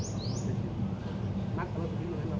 หมอบรรยาหมอบรรยา